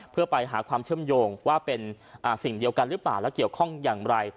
เพื่อไปหาความเชื่อมโยงว่าเป็นสิ่งเดียวกันหรือเปล่าแล้วเกี่ยวข้องอย่างไร